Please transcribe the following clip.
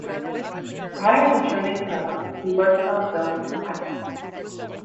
Prior to turning pro he worked on building sites.